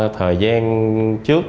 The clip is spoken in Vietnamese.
thời gian trước